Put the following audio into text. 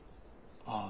ああ。